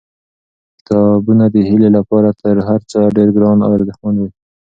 کتابونه د هیلې لپاره تر هر څه ډېر ګران او ارزښتمن وو.